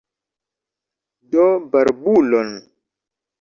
Do barbulon!